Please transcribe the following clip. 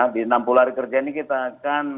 di enam puluh hari kerja ini kita akan